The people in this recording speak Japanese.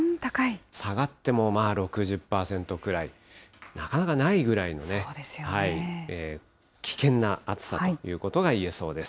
下がっても、まあ６０％くらい、なかなかないぐらいの危険な暑さということがいえそうです。